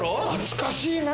懐かしいね